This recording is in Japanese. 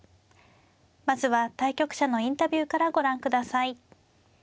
まずは対局者のインタビューからご覧ください。